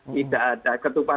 tidak ada ketupat